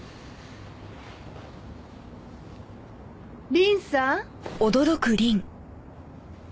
凛さん。